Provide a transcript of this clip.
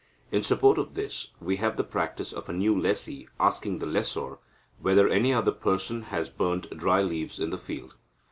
In support of this, we have the practice of a new lessee asking the lessor whether any other person has burnt dry leaves in the field.